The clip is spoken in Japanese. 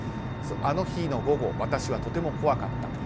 あの日の午後私はとても怖かった。